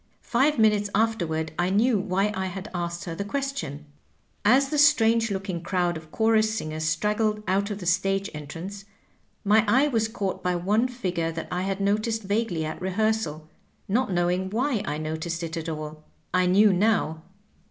Five minutes afterward I knew why I had asked her the question. . "As the strange looking crowd of chorus singers straggled out of the stage entrance, my eye was caught by one figure that I had noticed vaguely at rehearsal, not knowing why I noticed it at all. I knew now.